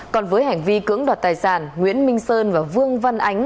còn với hành vi cưỡng đoạt tài sản nguyễn minh sơn và vương văn ánh